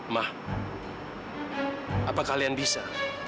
mah apa kalian bisa